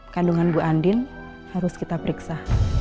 kandungan bu andin harus kita periksa